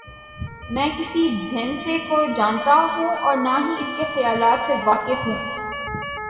میں کسی بھینسے کو جانتا ہوں اور نہ ہی اس کے خیالات سے واقف ہوں۔